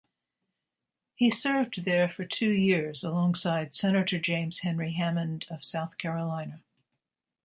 He served there for two years alongside Senator James Henry Hammond of South Carolina.